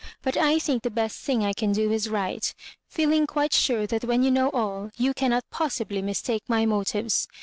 But I think the best thing I can do is to write, feeling quite sure that when you know all you caiinoi possibly/ mistake my motives.